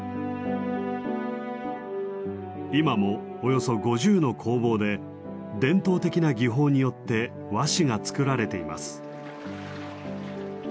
今もおよそ５０の工房で伝統的な技法によって和紙が作られています。